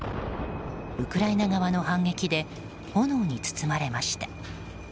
ウクライナ側の反撃で炎に包まれました。